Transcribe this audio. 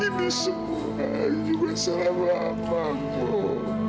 ini semua juga salah abang bro